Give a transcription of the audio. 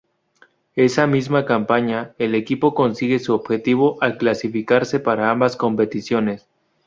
Esa misma campaña, el equipo consigue su objetivo al clasificarse para ambas competiciones.